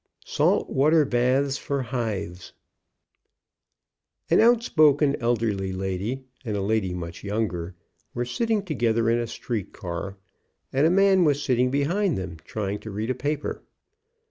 SALT WATER BATHS FOR HIVES. An outspoken elderly lady, and a lady much younger, were sitting together in a street car, and a man was sitting behind them, trying to read a paper.